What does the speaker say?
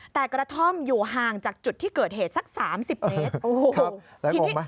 แต่กระท่อมอยู่ห่างจากจุดที่เกิดเหตุสัก๓๐เมตรโอ้โหทีนี้